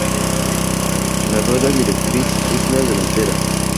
La rueda directriz es la delantera.